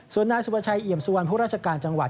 ส่วนนายสุภาชัยเอี่ยมสุวรรณผู้ราชการจังหวัด